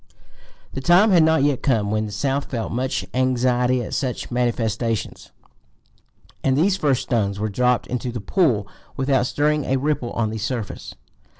The time had not yet come when the South felt much anxiety at such manifestations, and these first stones were dropped into the pool without stirring a ripple on the surface.